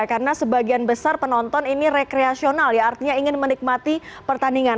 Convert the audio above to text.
karena sebagian besar penonton ini rekreasional ya artinya ingin menikmati pertandingan